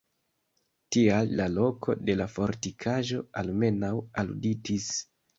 Tial la loko de la fortikaĵo almenaŭ aluditis.